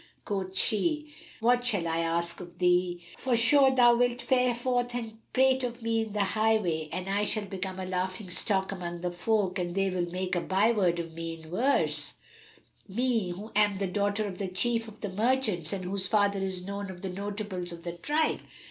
Quoth she, "What shall I ask of thee? For sure thou wilt fare forth and prate of me in the highway and I shall become a laughing stock among the folk and they will make a byword of me in verse, me who am the daughter of the chief of the merchants and whose father is known of the notables of the tribe.